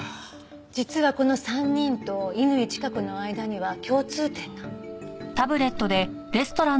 実はこの３人と乾チカ子の間には共通点が。